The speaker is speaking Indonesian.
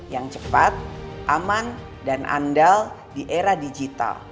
yang cepat aman dan andal di era digital